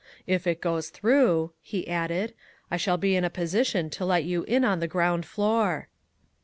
If it goes through," he added, "I shall be in a position to let you in on the ground floor."